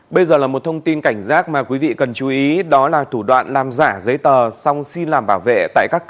bây giờ là một thông tin cảnh giác mà quý vị cần chú ý đó là thủ đoạn làm giả